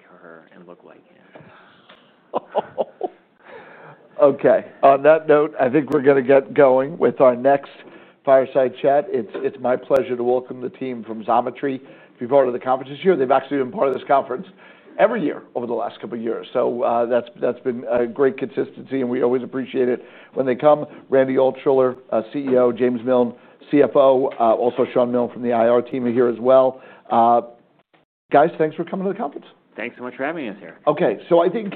Hang like her and look like him. Okay. On that note, I think we're going to get going with our next fireside chat. It's my pleasure to welcome the team from Xometry. If you've heard of the conference this year, they've actually been part of this conference every year over the last couple of years. That's been a great consistency, and we always appreciate it when they come. Randy Altschuler, CEO, James Miln, CFO, also Shawn Milne from the IR team here as well. Guys, thanks for coming to the conference. Thanks so much for having us here. Okay. I think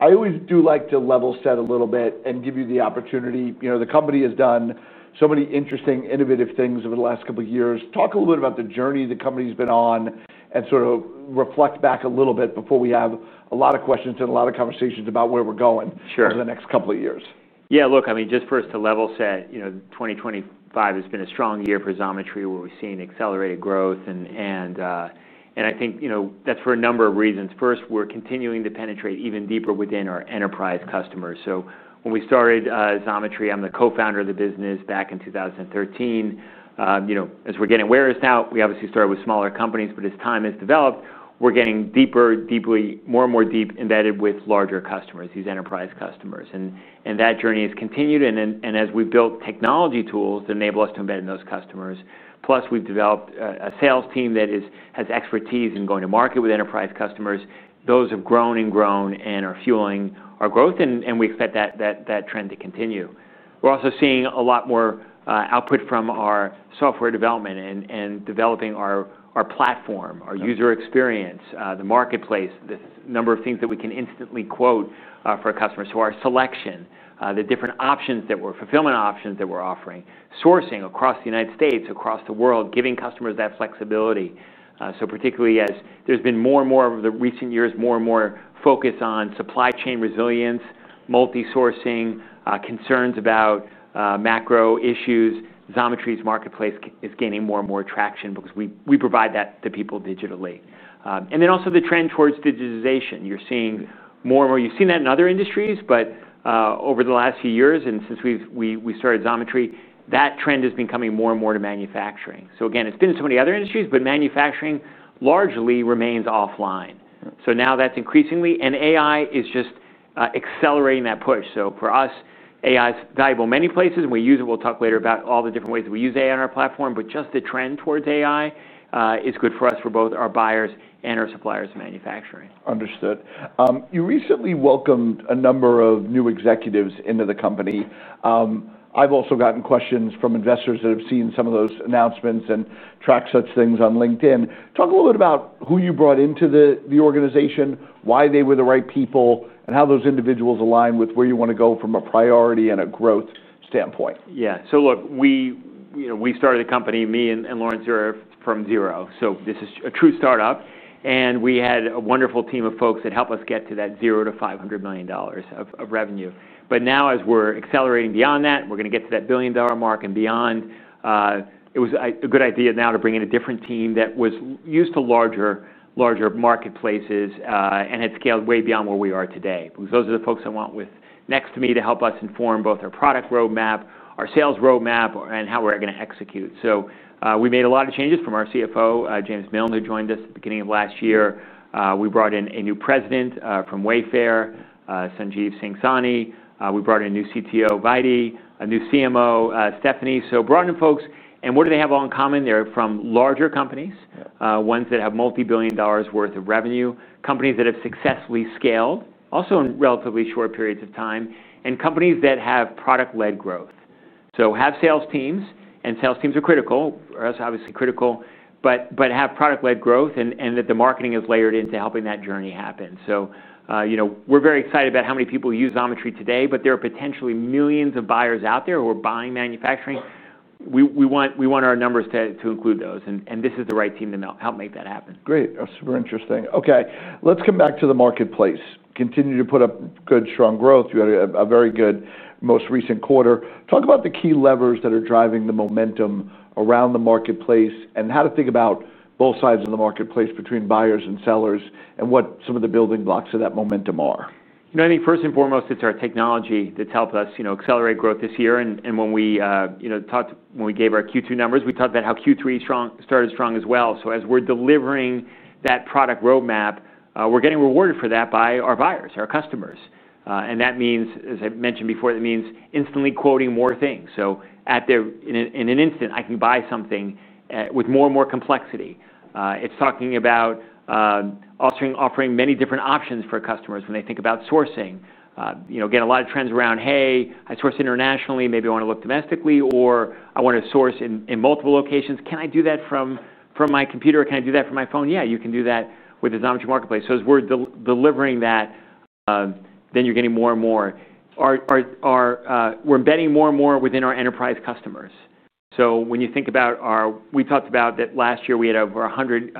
I always do like to level set a little bit and give you the opportunity. You know, the company has done so many interesting, innovative things over the last couple of years. Talk a little bit about the journey the company's been on and sort of reflect back a little bit before we have a lot of questions and a lot of conversations about where we're going over the next couple of years. Yeah, look, I mean, just first to level set, you know, 2025 has been a strong year for Xometry where we've seen accelerated growth. I think, you know, that's for a number of reasons. First, we're continuing to penetrate even deeper within our enterprise customers. When we started Xometry, I'm the Co-Founder of the business back in 2013, you know, we obviously started with smaller companies, but as time has developed, we're getting deeper, deeply, more and more deep embedded with larger customers, these enterprise customers. That journey has continued. As we've built technology tools that enable us to embed in those customers, plus we've developed a sales team that has expertise in going to market with enterprise customers, those have grown and grown and are fueling our growth. We expect that trend to continue. We're also seeing a lot more output from our software development and developing our platform, our user experience, the marketplace, the number of things that we can instantly quote for a customer. Our selection, the different options that we're fulfillment options that we're offering, sourcing across the United States, across the world, giving customers that flexibility. Particularly as there's been more and more over the recent years, more and more focus on supply chain resilience, multi-sourcing, concerns about macro issues, Xometry's marketplace is gaining more and more traction because we provide that to people digitally. Also, the trend towards digitization. You're seeing more and more, you've seen that in other industries, but over the last few years and since we started Xometry, that trend is becoming more and more to manufacturing. It's been in so many other industries, but manufacturing largely remains offline. Now that's increasingly, and AI is just accelerating that push. For us, AI is valuable in many places, and we use it. We'll talk later about all the different ways that we use AI on our platform, but just the trend towards AI is good for us, for both our buyers and our suppliers in manufacturing. Understood. You recently welcomed a number of new executives into the company. I've also gotten questions from investors that have seen some of those announcements and tracked such things on LinkedIn. Talk a little bit about who you brought into the organization, why they were the right people, and how those individuals align with where you want to go from a priority and a growth standpoint. Yeah. Look, we started a company, me and Lawrence here, from zero. This is a true startup. We had a wonderful team of folks that helped us get to that $0 to $500 million of revenue. Now, as we're accelerating beyond that, we're going to get to that billion-dollar mark and beyond. It was a good idea now to bring in a different team that was used to larger marketplaces and had scaled way beyond where we are today. Those are the folks I want next to me to help us inform both our product roadmap, our sales roadmap, and how we're going to execute. We made a lot of changes from our CFO, James Miln, who joined us at the beginning of last year. We brought in a new President from Wayfair, Sanjeev Singh Sahni. We brought in a new CTO, Vaidi, a new CMO, Stephanie. Brought in folks. What do they have all in common? They're from larger companies, ones that have multi-billion dollars' worth of revenue, companies that have successfully scaled also in relatively short periods of time, and companies that have product-led growth. Sales teams are critical. They're obviously critical, but have product-led growth and the marketing is layered into helping that journey happen. We're very excited about how many people use Xometry today, but there are potentially millions of buyers out there who are buying manufacturing. We want our numbers to include those, and this is the right team to help make that happen. Great. That's super interesting. Okay. Let's come back to the marketplace. Continue to put up good, strong growth. You had a very good most recent quarter. Talk about the key levers that are driving the momentum around the marketplace and how to think about both sides of the marketplace between buyers and sellers and what some of the building blocks of that momentum are. I think first and foremost, it's our technology that's helped us accelerate growth this year. When we gave our Q2 numbers, we talked about how Q3 started strong as well. As we're delivering that product roadmap, we're getting rewarded for that by our buyers, our customers. That means, as I mentioned before, that means instantly quoting more things. In an instant, I can buy something with more and more complexity. It's talking about offering many different options for customers when they think about sourcing. A lot of trends around, "Hey, I source internationally. Maybe I want to look domestically, or I want to source in multiple locations. Can I do that from my computer? Can I do that from my phone?" Yeah, you can do that with the Xometry marketplace. As we're delivering that, then you're getting more and more. We're embedding more and more within our enterprise customers. When you think about our, we talked about that last year we had over 100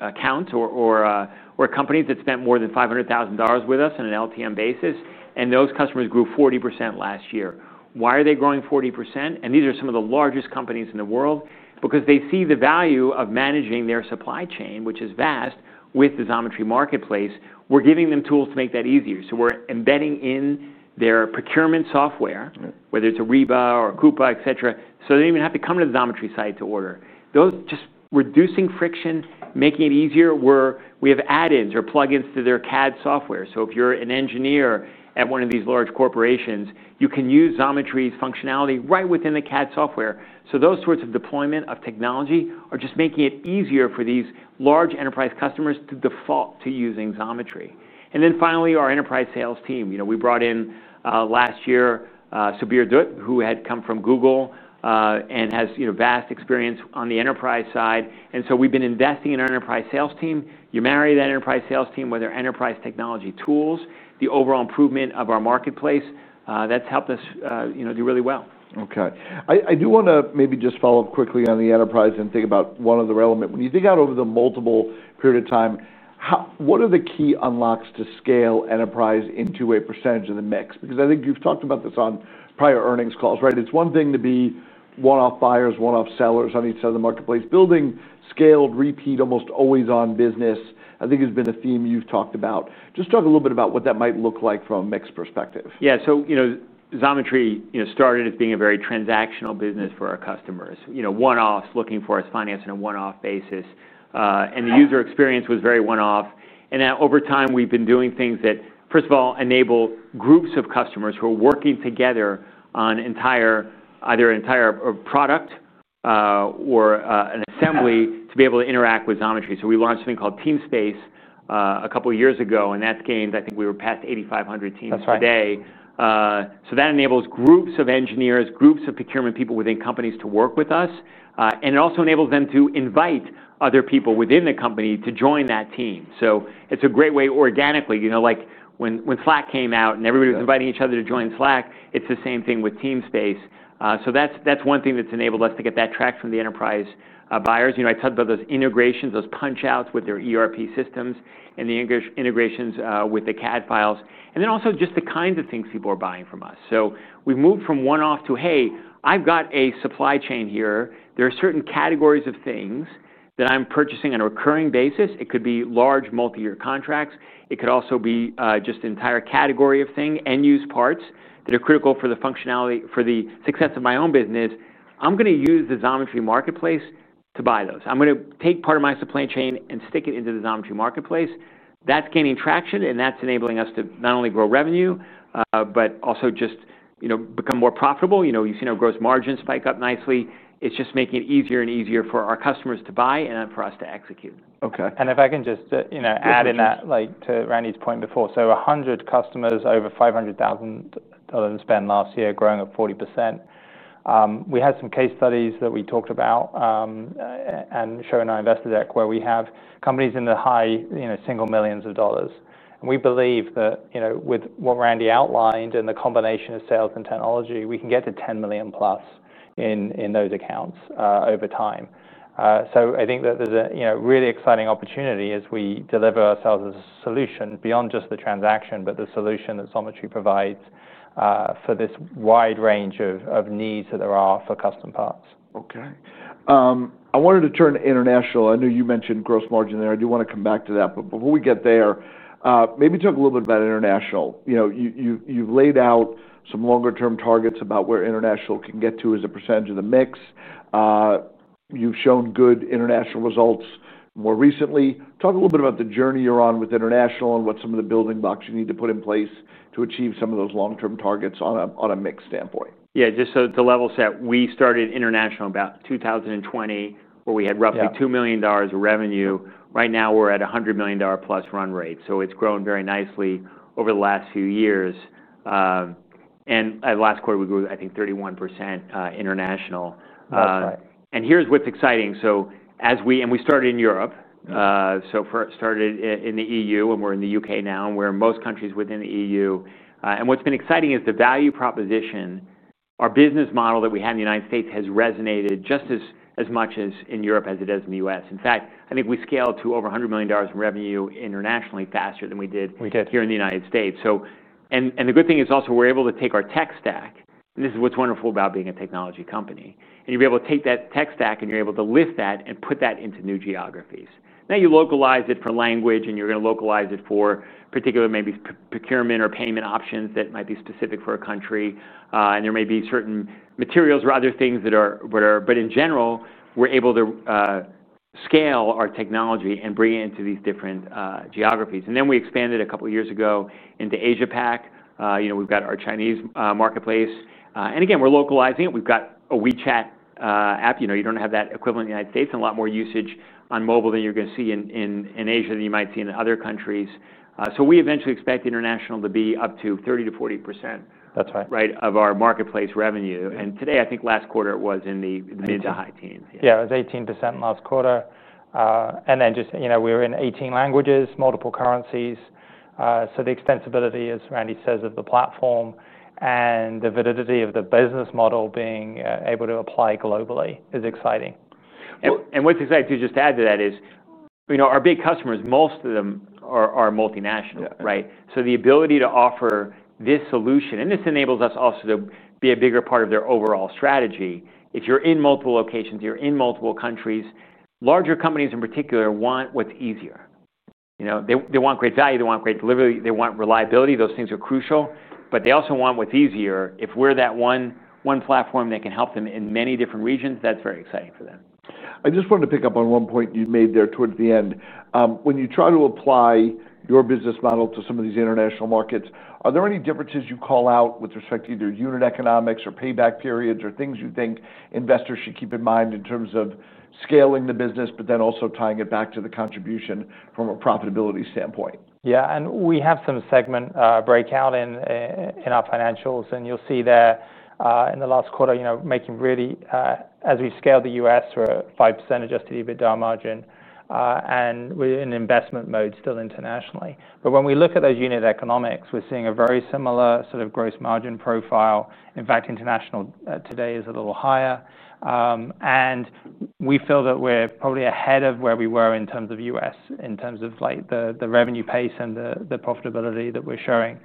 accounts or companies that spent more than $500,000 with us on an LTM basis, and those customers grew 40% last year. Why are they growing 40%? These are some of the largest companies in the world because they see the value of managing their supply chain, which is vast, with the Xometry marketplace. We're giving them tools to make that easier. We're embedding in their procurement software, whether it's Ariba or Coupa, et cetera, so they don't even have to come to the Xometry site to order. Those just reducing friction, making it easier where we have add-ins or plugins to their CAD software. If you're an engineer at one of these large corporations, you can use Xometry's functionality right within the CAD software. Those sorts of deployment of technology are just making it easier for these large enterprise customers to default to using Xometry. Finally, our enterprise sales team, we brought in last year, Subir Dutt, who had come from Google and has vast experience on the enterprise side. We've been investing in our enterprise sales team. You marry that enterprise sales team with our enterprise technology tools, the overall improvement of our marketplace that's helped us do really well. Okay. I do want to maybe just follow up quickly on the enterprise and think about one of the relevant... When you think out over the multiple period of time, what are the key unlocks to scale enterprise into a % of the mix? Because I think you've talked about this on prior earnings calls, right? It's one thing to be one-off buyers, one-off sellers on each side of the marketplace. Building scaled repeat, almost always on business, I think has been a theme you've talked about. Just talk a little bit about what that might look like from a mix perspective. Yeah. Xometry started as being a very transactional business for our customers. One-offs looking for us finance on a one-off basis. The user experience was very one-off. Over time, we've been doing things that, first of all, enable groups of customers who are working together on either an entire product or an assembly to be able to interact with Xometry. We launched something called TeamSpace a couple of years ago, and that's gained, I think we are past 8,500 teams today. That enables groups of engineers, groups of procurement people within companies to work with us. It also enables them to invite other people within the company to join that team. It's a great way organically, like when Slack came out and everybody was inviting each other to join Slack, it's the same thing with TeamSpace. That's one thing that's enabled us to get that tracked from the enterprise buyers. I talked about those integrations, those punch-outs with their ERP systems and the integrations with the CAD files. Also, just the kinds of things people are buying from us. We've moved from one-off to, "Hey, I've got a supply chain here. There are certain categories of things that I'm purchasing on a recurring basis." It could be large multi-year contracts. It could also be just an entire category of things, end-use parts that are critical for the functionality for the success of my own business. I'm going to use the Xometry marketplace to buy those. I'm going to take part of my supply chain and stick it into the Xometry marketplace. That's gaining traction, and that's enabling us to not only grow revenue, but also just become more profitable. We've seen our gross margin spike up nicely. It's just making it easier and easier for our customers to buy and for us to execute. Okay. To Randy's point before, 100 customers over $500,000 spent last year, growing at 40%. We had some case studies that we talked about and show in our investor deck where we have companies in the high single millions of dollars. We believe that with what Randy outlined and the combination of sales and technology, we can get to $10 million plus in those accounts over time. I think that there's a really exciting opportunity as we deliver ourselves as a solution beyond just the transaction, but the solution that Xometry provides for this wide range of needs that there are for custom parts. Okay. I wanted to turn to international. I know you mentioned gross margin there. I do want to come back to that. Before we get there, maybe talk a little bit about international. You've laid out some longer-term targets about where international can get to as a percentage of the mix. You've shown good international results more recently. Talk a little bit about the journey you're on with international and what some of the building blocks you need to put in place to achieve some of those long-term targets on a mix standpoint. Yeah, just to level set, we started international in about 2020, where we had roughly $2 million of revenue. Right now, we're at a $100 million plus run rate. It's grown very nicely over the last few years. Last quarter, we grew, I think, 31% international. Here's what's exciting. As we started in Europe, started in the EU, and we're in the UK now, and we're in most countries within the EU. What's been exciting is the value proposition. Our business model that we have in the United States has resonated just as much in Europe as it does in the US. In fact, I think we scaled to over $100 million in revenue internationally faster than we did here in the United States. The good thing is also we're able to take our tech stack, and this is what's wonderful about being a technology company. You're able to take that tech stack and lift that and put that into new geographies. Now you localize it for language, and you're going to localize it for particular, maybe procurement or payment options that might be specific for a country. There may be certain materials or other things that are, but in general, we're able to scale our technology and bring it into these different geographies. We expanded a couple of years ago into Asia-Pacific. We've got our Chinese marketplace. Again, we're localizing it. We've got a WeChat app. You don't have that equivalent in the United States, and a lot more usage on mobile than you're going to see in Asia than you might see in other countries. We eventually expect international to be up to 30% to 40% of our marketplace revenue. Today, I think last quarter it was in the mid to high teens. Yeah, it was 18% last quarter. We're in 18 languages, multiple currencies. The extensibility, as Randy says, of the platform and the validity of the business model being able to apply globally is exciting. What's exciting to just add to that is, you know, our big customers, most of them are multinational, right? The ability to offer this solution enables us also to be a bigger part of their overall strategy. If you're in multiple locations, you're in multiple countries, larger companies in particular want what's easier. They want great value, they want great delivery, they want reliability. Those things are crucial, but they also want what's easier. If we're that one platform that can help them in many different regions, that's very exciting for them. I just wanted to pick up on one point you made there towards the end. When you try to apply your business model to some of these international markets, are there any differences you call out with respect to either unit economics or payback periods, or things you think investors should keep in mind in terms of scaling the business, and also tying it back to the contribution from a profitability standpoint? Yeah, and we have some segment breakout in our financials, and you'll see there in the last quarter, making really, as we scale the U.S., we're at 5% adjusted EBITDA margin, and we're in investment mode still internationally. When we look at those unit economics, we're seeing a very similar sort of gross margin profile. In fact, international today is a little higher. We feel that we're probably ahead of where we were in terms of U.S., in terms of the revenue pace and the profitability that we're showing.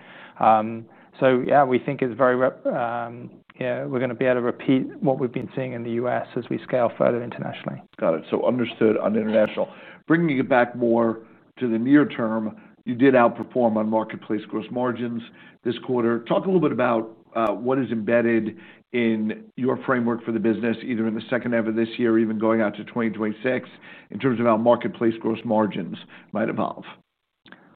We think it's very, you know, we're going to be able to repeat what we've been seeing in the U.S. as we scale further internationally. Got it. Understood on international. Bringing it back more to the near term, you did outperform on marketplace gross margins this quarter. Talk a little bit about what is embedded in your framework for the business, either in the second half of this year or even going out to 2026, in terms of how marketplace gross margins might evolve.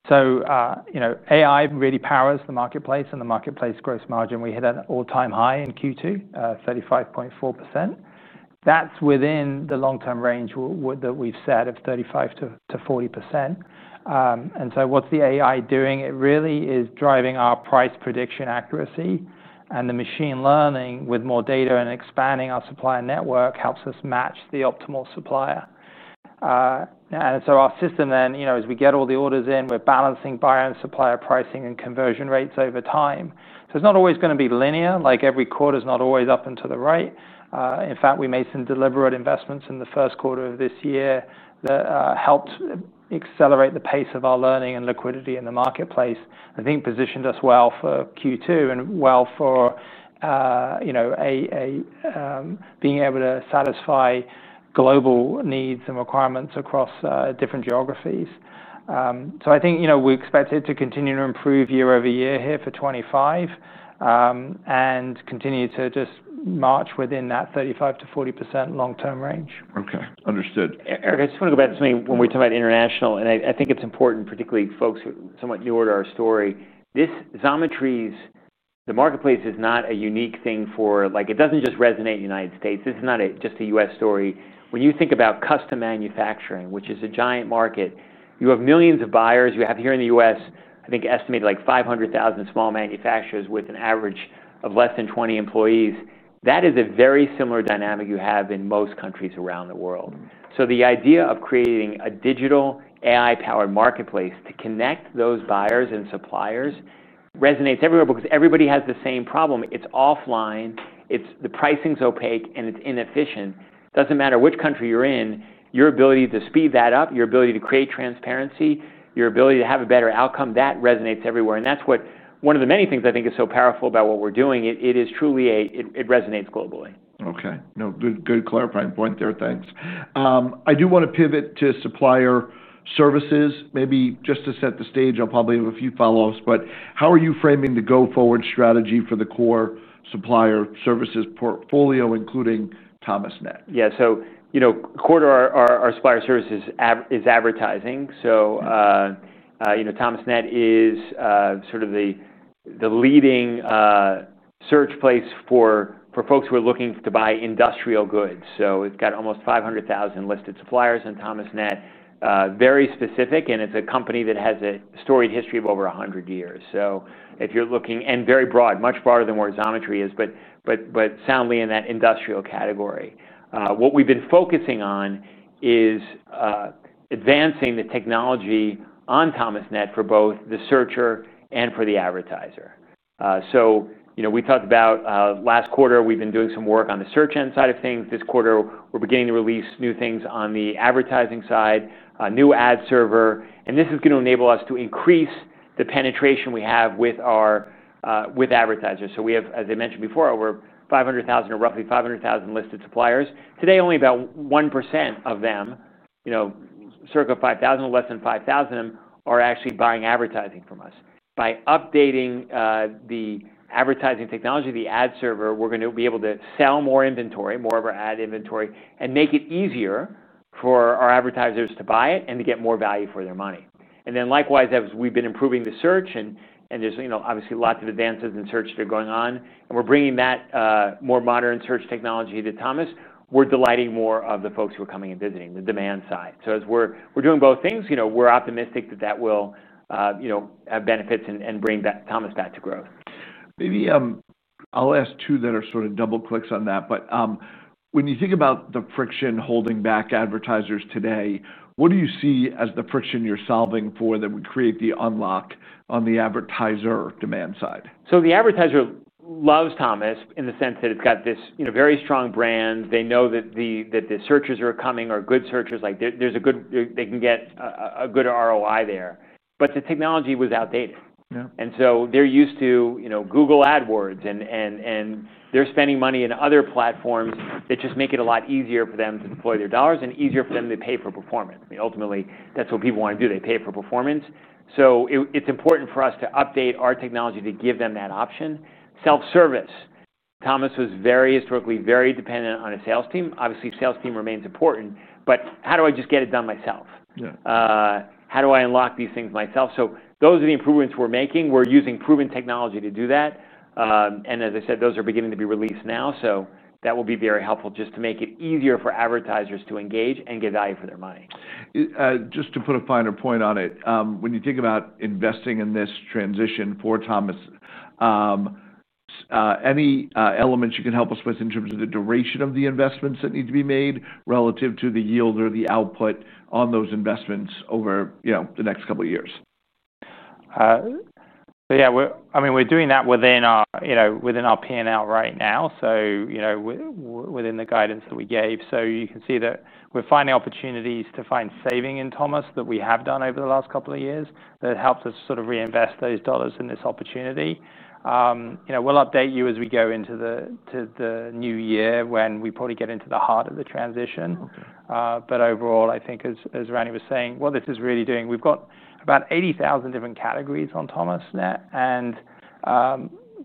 AI really powers the marketplace and the marketplace gross margin. We hit an all-time high in Q2, 35.4%. That's within the long-term range that we've set of 35% to 40%. What's the AI doing? It really is driving our price prediction accuracy and the machine learning with more data and expanding our supplier network helps us match the optimal supplier. Our system then, as we get all the orders in, we're balancing buyer and supplier pricing and conversion rates over time. It's not always going to be linear. Every quarter is not always up and to the right. In fact, we made some deliberate investments in the first quarter of this year that helped accelerate the pace of our learning and liquidity in the marketplace. I think it positioned us well for Q2 and well for being able to satisfy global needs and requirements across different geographies. I think we expect it to continue to improve year over year here for 2025 and continue to just march within that 35% to 40% long-term range. Okay, understood. Eric, I just want to go back to something when we talk about international, and I think it's important, particularly folks who are somewhat newer to our story. Xometry's marketplace is not a unique thing for, like, it doesn't just resonate in the U.S. This is not just a U.S. story. When you think about custom manufacturing, which is a giant market, you have millions of buyers. You have here in the U.S., I think, estimated like 500,000 small manufacturers with an average of less than 20 employees. That is a very similar dynamic you have in most countries around the world. The idea of creating a digital AI-powered marketplace to connect those buyers and suppliers resonates everywhere because everybody has the same problem. It's offline. The pricing's opaque and it's inefficient. It doesn't matter which country you're in. Your ability to speed that up, your ability to create transparency, your ability to have a better outcome, that resonates everywhere. That's one of the many things I think is so powerful about what we're doing. It is truly a, it resonates globally. Okay. No, good clarifying point there. Thanks. I do want to pivot to supplier services, maybe just to set the stage. I'll probably have a few follow-ups, but how are you framing the go-forward strategy for the core supplier services portfolio, including Thomasnet? Yeah, so, you know, a quarter of our supplier services is advertising. Thomasnet is sort of the leading search place for folks who are looking to buy industrial goods. It's got almost 500,000 listed suppliers on Thomasnet, very specific, and it's a company that has a storied history of over 100 years. If you're looking, and very broad, much broader than where Xometry is, but soundly in that industrial category, what we've been focusing on is advancing the technology on Thomasnet for both the searcher and for the advertiser. We talked about last quarter, we've been doing some work on the search end side of things. This quarter, we're beginning to release new things on the advertising side, a new ad server, and this is going to enable us to increase the penetration we have with our advertisers. We have, as I mentioned before, over 500,000 or roughly 500,000 listed suppliers. Today, only about 1% of them, you know, circa 5,000 or less than 5,000 of them are actually buying advertising from us. By updating the advertising technology, the ad server, we're going to be able to sell more inventory, more of our ad inventory, and make it easier for our advertisers to buy it and to get more value for their money. Likewise, as we've been improving the search and there's obviously lots of advances in search that are going on, and we're bringing that more modern search technology to Thomasnet, we're delighting more of the folks who are coming and visiting the demand side. As we're doing both things, we're optimistic that that will have benefits and bring Thomasnet back to growth. Maybe I'll ask two that are sort of double clicks on that. When you think about the friction holding back advertisers today, what do you see as the friction you're solving for that would create the unlock on the advertiser demand side? The advertiser loves Thomasnet in the sense that it's got this very strong brand. They know that the searches that are coming are good searches. There's a good, they can get a good ROI there. The technology was outdated. They're used to, you know, Google AdWords and they're spending money in other platforms that just make it a lot easier for them to deploy their dollars and easier for them to pay for performance. Ultimately, that's what people want to do. They pay for performance. It's important for us to update our technology to give them that option. Self-service. Thomasnet was historically very dependent on a sales team. Obviously, the sales team remains important, but how do I just get it done myself? Yeah, how do I unlock these things myself? Those are the improvements we're making. We're using proven technology to do that. As I said, those are beginning to be released now. That will be very helpful just to make it easier for advertisers to engage and get value for their money. Just to put a finer point on it, when you think about investing in this transition for Thomasnet, any elements you can help us with in terms of the duration of the investments that need to be made relative to the yield or the output on those investments over the next couple of years? Yeah, I mean, we're doing that within our P&L right now. You know, within the guidance that we gave, you can see that we're finding opportunities to find saving in Thomasnet that we have done over the last couple of years that helped us sort of reinvest those dollars in this opportunity. We'll update you as we go into the new year when we probably get into the heart of the transition. Overall, I think as Randy was saying, what this is really doing, we've got about 80,000 different categories on Thomasnet.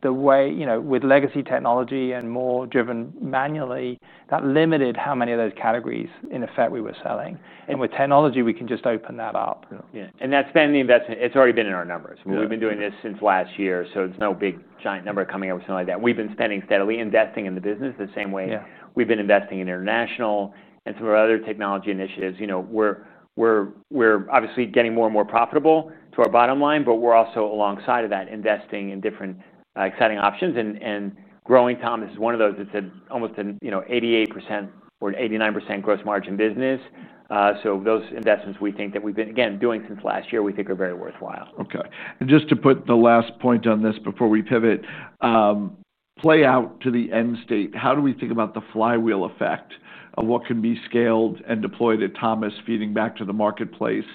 The way, you know, with legacy technology and more driven manually, that limited how many of those categories in effect we were selling. With technology, we can just open that up. That spending investment, it's already been in our numbers. I mean, we've been doing this since last year. It's no big giant number coming up with something like that. We've been spending steadily, investing in the business the same way we've been investing in international and some of our other technology initiatives. We're obviously getting more and more profitable to our bottom line, but we're also alongside of that investing in different exciting options. Growing Thomas is one of those that's almost an 88% or 89% gross margin business. Those investments we think that we've been, again, doing since last year, we think are very worthwhile. Okay. Just to put the last point on this before we pivot, play out to the end state, how do we think about the flywheel effect of what can be scaled and deployed at Thomasnet, feeding back to the marketplace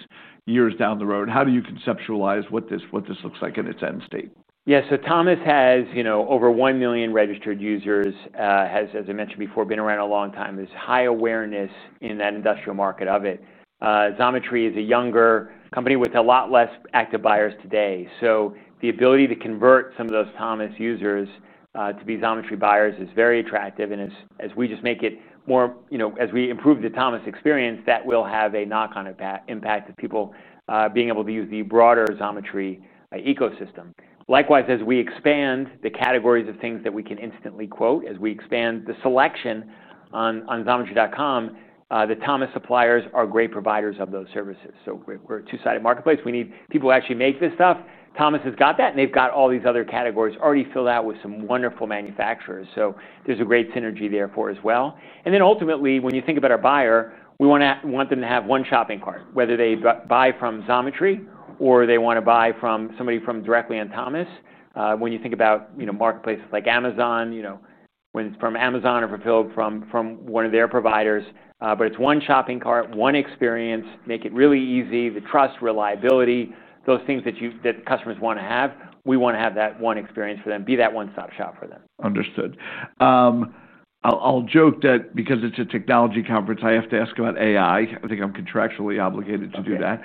years down the road? How do you conceptualize what this looks like in its end state? Yeah, so Thomasnet has, you know, over 1 million registered users, has, as I mentioned before, been around a long time, has high awareness in that industrial market of it. Xometry is a younger company with a lot less active buyers today. The ability to convert some of those Thomasnet users to be Xometry buyers is very attractive. As we improve the Thomasnet experience, that will have a knock-on impact of people being able to use the broader Xometry ecosystem. Likewise, as we expand the categories of things that we can instantly quote, as we expand the selection on Xometry.com, the Thomasnet suppliers are great providers of those services. We're a two-sided marketplace. We need people to actually make this stuff. Thomasnet has got that, and they've got all these other categories already filled out with some wonderful manufacturers. There's a great synergy there for as well. Ultimately, when you think about our buyer, we want them to have one shopping cart, whether they buy from Xometry or they want to buy from somebody from directly on Thomasnet. When you think about, you know, marketplaces like Amazon, you know, when it's from Amazon or fulfilled from one of their providers, but it's one shopping cart, one experience, make it really easy, the trust, reliability, those things that customers want to have, we want to have that one experience for them, be that one-stop shop for them. Understood. I'll joke that because it's a technology conference, I have to ask about AI. I think I'm contractually obligated to do that.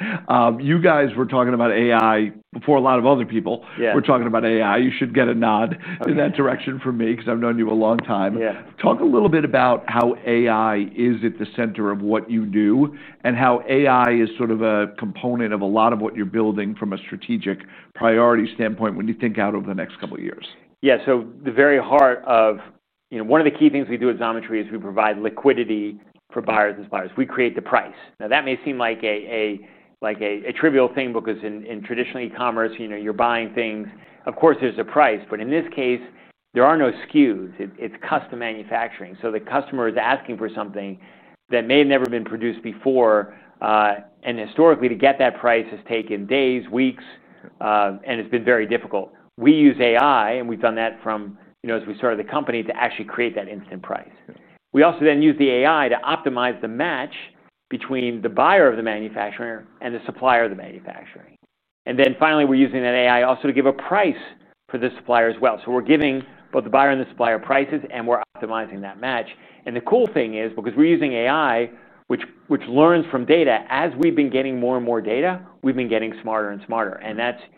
You guys were talking about AI before a lot of other people were talking about AI. You should get a nod in that direction from me because I've known you a long time. Talk a little bit about how AI is at the center of what you do and how AI is sort of a component of a lot of what you're building from a strategic priority standpoint when you think out over the next couple of years. Yeah, so the very heart of, you know, one of the key things we do at Xometry is we provide liquidity for buyers and suppliers. We create the price. Now that may seem like a trivial thing because in traditional e-commerce, you know, you're buying things, of course there's a price, but in this case, there are no SKUs. It's custom manufacturing. The customer is asking for something that may have never been produced before. Historically, to get that price has taken days, weeks, and it's been very difficult. We use AI, and we've done that from, you know, as we started the company to actually create that instant price. We also then use the AI to optimize the match between the buyer of the manufacturer and the supplier of the manufacturing. Finally, we're using that AI also to give a price for the supplier as well. We're giving both the buyer and the supplier prices, and we're optimizing that match. The cool thing is, because we're using AI, which learns from data, as we've been getting more and more data, we've been getting smarter and smarter.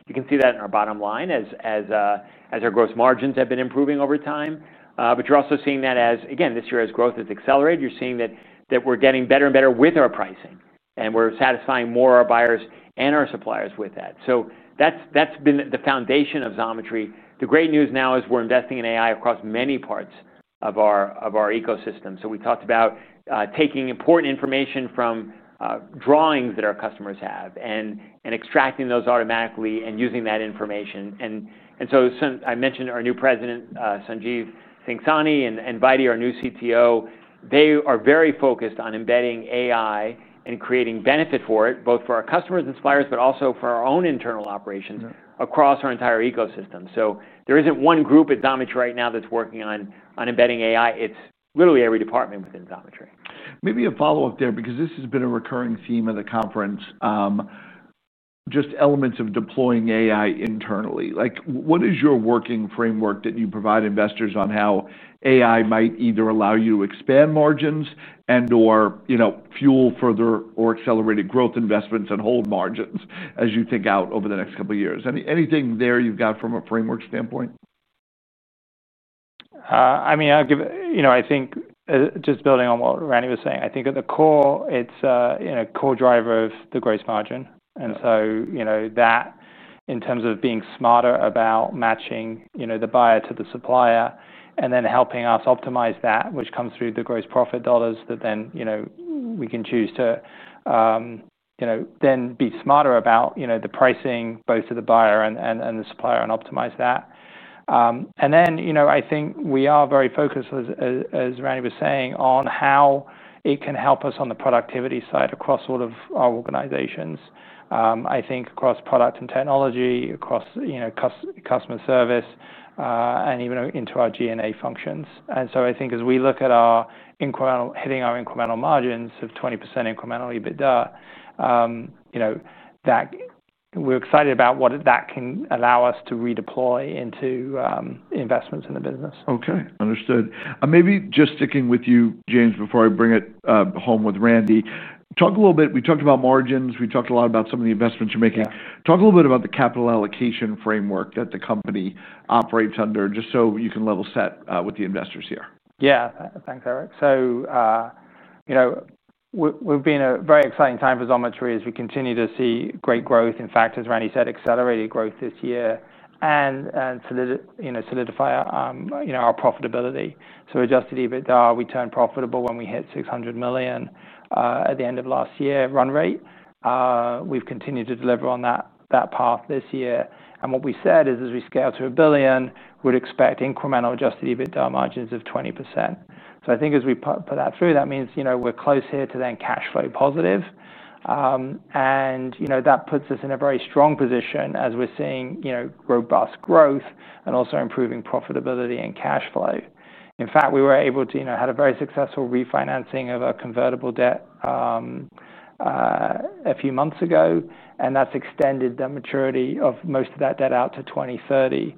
You can see that in our bottom line as our gross margins have been improving over time. You're also seeing that as, again, this year as growth has accelerated, you're seeing that we're getting better and better with our pricing. We're satisfying more of our buyers and our suppliers with that. That's been the foundation of Xometry. The great news now is we're investing in AI across many parts of our ecosystem. We talked about taking important information from drawings that our customers have and extracting those automatically and using that information. I mentioned our new President, Sanjeev Singh Sahni, and Vaidi, our new CTO. They are very focused on embedding AI and creating benefit for it, both for our customers and suppliers, but also for our own internal operations across our entire ecosystem. There isn't one group at Xometry right now that's working on embedding AI. It's literally every department within Xometry. Maybe a follow-up there, because this has been a recurring theme of the conference, just elements of deploying AI internally. What is your working framework that you provide investors on how AI might either allow you to expand margins and/or, you know, fuel further or accelerated growth investments and hold margins as you think out over the next couple of years? Anything there you've got from a framework standpoint? I mean, I think just building on what Randy was saying, I think at the core, it's a core driver of the gross margin. In terms of being smarter about matching the buyer to the supplier and then helping us optimize that, which comes through the gross profit dollars that then we can choose to then be smarter about the pricing both to the buyer and the supplier and optimize that. I think we are very focused, as Randy was saying, on how it can help us on the productivity side across all of our organizations. I think across product and technology, across customer service, and even into our G&A functions. As we look at our incremental hitting our incremental margins of 20% incrementally, we're excited about what that can allow us to redeploy into investments in the business. Okay, understood. Maybe just sticking with you, James, before I bring it home with Randy, talk a little bit. We talked about margins. We talked a lot about some of the investments you're making. Talk a little bit about the capital allocation framework that the company operates under, just so you can level set with the investors here. Yeah, thanks, Eric. We've been a very exciting time for Xometry as we continue to see great growth. In fact, as Randy said, accelerated growth this year and solidify our profitability. Adjusted EBITDA, we turned profitable when we hit $600 million at the end of last year run rate. We've continued to deliver on that path this year. What we said is as we scale to a billion, we'd expect incremental adjusted EBITDA margins of 20%. I think as we put that through, that means we're close here to then cash flow positive. That puts us in a very strong position as we're seeing robust growth and also improving profitability and cash flow. In fact, we were able to have a very successful refinancing of a convertible debt a few months ago. That's extended the maturity of most of that debt out to 2030.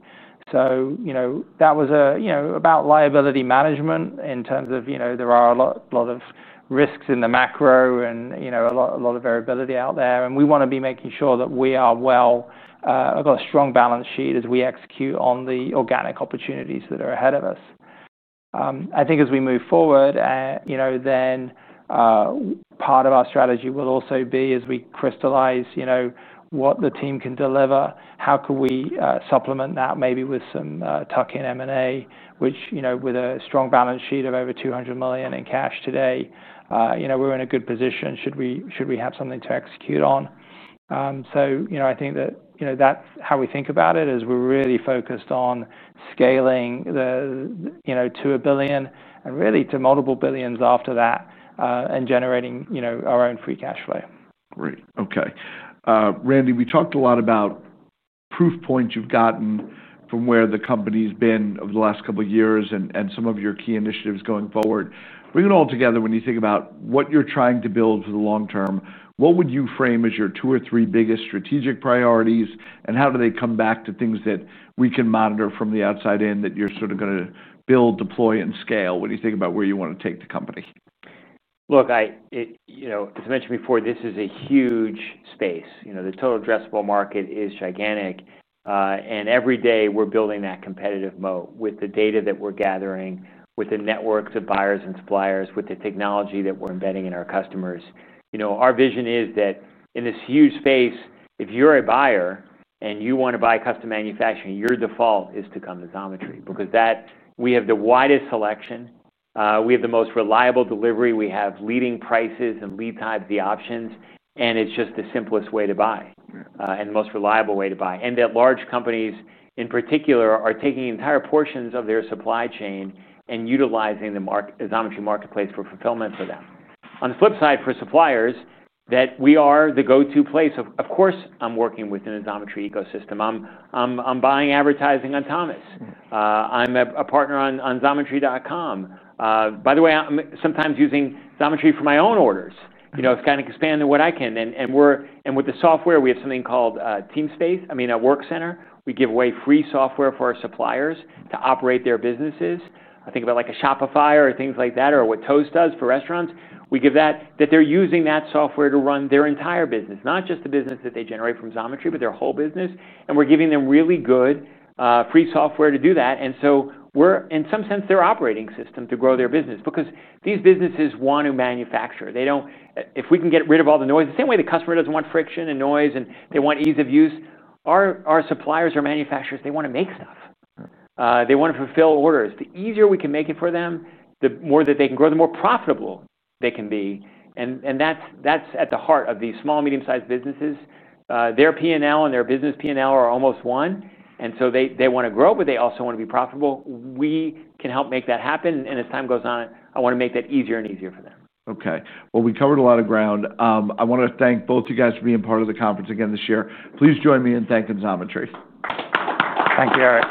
That was about liability management in terms of there are a lot of risks in the macro and a lot of variability out there. We want to be making sure that we are well, I've got a strong balance sheet as we execute on the organic opportunities that are ahead of us. I think as we move forward, part of our strategy will also be as we crystallize what the team can deliver, how can we supplement that maybe with some tuck-in M&A, which, with a strong balance sheet of over $200 million in cash today, we're in a good position should we have something to execute on. I think that's how we think about it as we're really focused on scaling to a billion and really to multiple billions after that and generating our own free cash flow. Great. Okay. Randy, we talked a lot about proof points you've gotten from where the company's been over the last couple of years and some of your key initiatives going forward. Bring it all together when you think about what you're trying to build for the long term. What would you frame as your two or three biggest strategic priorities, and how do they come back to things that we can monitor from the outside in that you're sort of going to build, deploy, and scale when you think about where you want to take the company? Look, as I mentioned before, this is a huge space. The total addressable market is gigantic. Every day we're building that competitive moat with the data that we're gathering, with the networks of buyers and suppliers, with the technology that we're embedding in our customers. Our vision is that in this huge space, if you're a buyer and you want to buy custom manufacturing, your default is to come to Xometry because we have the widest selection. We have the most reliable delivery. We have leading prices and lead times of the options. It's just the simplest way to buy and the most reliable way to buy. Large companies in particular are taking entire portions of their supply chain and utilizing the Xometry marketplace for fulfillment for them. On the flip side, for suppliers, we are the go-to place. Of course, I'm working with a Xometry ecosystem. I'm buying advertising on Thomasnet. I'm a partner on Xometry.com. By the way, I'm sometimes using Xometry for my own orders. It's kind of expanding what I can. With the software, we have something called TeamSpace, a Workcenter. We give away free software for our suppliers to operate their businesses. I think about like a Shopify or things like that or what Toast does for restaurants. We give that, that they're using that software to run their entire business, not just the business that they generate from Xometry, but their whole business. We're giving them really good free software to do that. In some sense, we're their operating system to grow their business because these businesses want to manufacture. If we can get rid of all the noise, the same way the customer doesn't want friction and noise and they want ease of use, our suppliers or manufacturers, they want to make stuff. They want to fulfill orders. The easier we can make it for them, the more that they can grow, the more profitable they can be. That's at the heart of these small, medium-sized businesses. Their P&L and their business P&L are almost one. They want to grow, but they also want to be profitable. We can help make that happen. As time goes on, I want to make that easier and easier for them. Okay. We covered a lot of ground. I want to thank both you guys for being part of the conference again this year. Please join me in thanking Xometry. Thank you, Eric.